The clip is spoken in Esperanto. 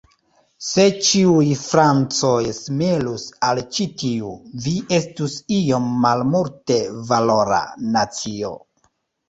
Se ĉiuj Francoj similus al ĉi tiu, vi estus iom malmulte-valora nacio.